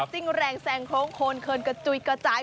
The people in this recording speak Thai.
เพราะทุกคนเคิร์นกระจุกระจาย